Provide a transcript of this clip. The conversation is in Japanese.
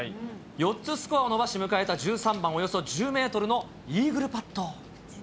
４つスコアを伸ばし、迎えた１３番、およそ１０メートルのイーグルパット。